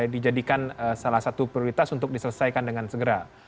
dijadikan salah satu prioritas untuk diselesaikan dengan segera